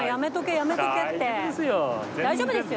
大丈夫ですよ。